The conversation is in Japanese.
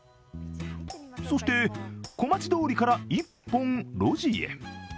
そして、小町通りから１本路地へ。